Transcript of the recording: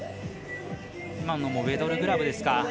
今のもウェドルグラブですか。